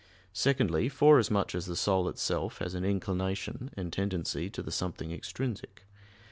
Secondly, forasmuch as the soul itself has an inclination and tendency to the something extrinsic.